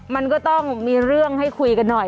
มันก็ต้องมีเรื่องให้คุยกันหน่อย